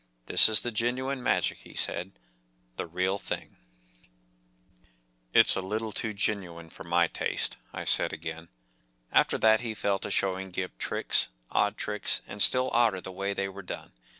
“ This is the genuine magic,” he said. “The real thing.” “ It’s a little too genuine for my taste,” I said again. After that he fell to showing Gip tricks, odd tricks, and still odder the way they were done.